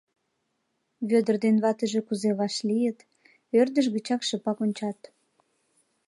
Вӧдыр ден ватыже кузе вашлийыт — ӧрдыж гыч шыпак ончат.